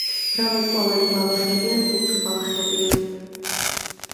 მრავალწლოვანი ბალახები ან ბუჩქბალახებია.